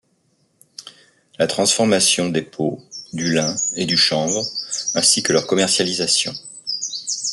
La transformation des peaux, du lin et du chanvre, ainsi que leurs commercialisations.